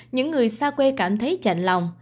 những người xa quê cảm thấy chạnh lòng